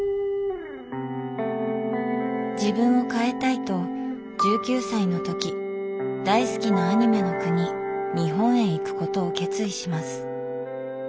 自分を変えたいと１９歳の時大好きなアニメの国日本へ行くことを決意します。